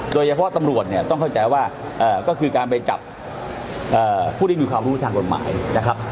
ตำรวจเนี่ยต้องเข้าใจว่าก็คือการไปจับผู้ที่มีความรู้ทางกฎหมายนะครับ